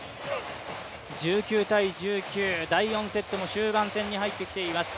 １９−１９第４セットも終盤戦に入ってきています。